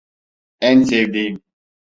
En sevdiğim.